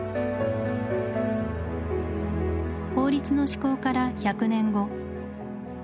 法律の施行から１００年後。